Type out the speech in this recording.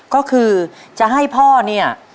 ก็คือจะให้พ่อเนี่ย